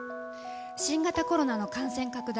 新型コロナの感染拡大。